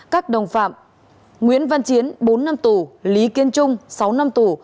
các đồng phạm nguyễn văn chiến bốn năm tù lý kiên trung sáu năm tù